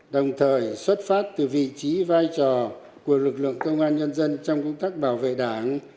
đồng thời xuất phát từ vị trí vai trò của lực lượng công an nhân dân trong công tác bảo vệ đảng